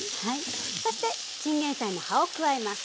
そしてチンゲンサイの葉を加えます。